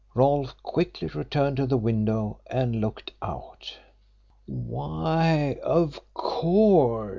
Rolfe quickly returned to the window and looked out. "Why, of course!"